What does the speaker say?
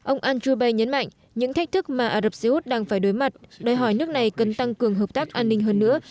ông al jubei nhấn mạnh những thách thức mà ả rập xê út đang phải đối mặt đòi hỏi nước này cần tăng cường hợp tác an ninh hơn nữa